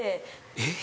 えっ？